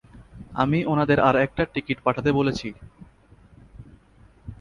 আমি ওনাদের আর একটা টিকিট পাঠাতে বলেছি।